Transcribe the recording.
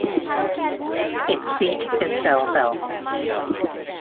Its seat is Bellville.